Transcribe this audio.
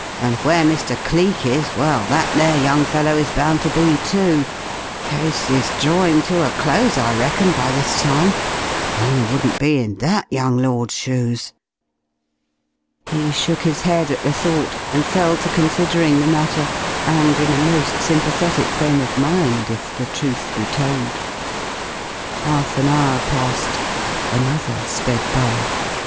And where Mr. Cleek is.... Well, that there young feller is bound to be, too. Case is drawin' to a close, I reckon, by this time. I wouldn't be in that young lord's shoes!" He shook his head at the thought, and fell to considering the matter and in a most sympathetic frame of mind if the truth be told. Half an hour passed, another sped by.